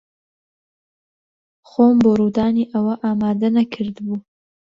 خۆم بۆ ڕوودانی ئەوە ئامادە نەکردبوو.